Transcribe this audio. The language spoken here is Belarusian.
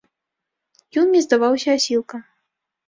Ён мне здаваўся асілкам.